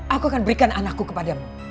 aku akan berikan anakku kepadamu